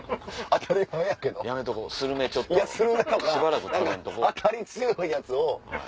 あたり強いやつを。